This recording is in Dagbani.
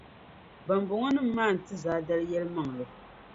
Bambɔŋɔnima maa n-ti Zaadali yɛlimaŋli.